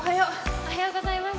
おはようございます。